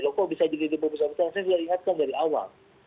loh kok bisa jadi di bumu sabit raya saya sudah ingatkan dari awal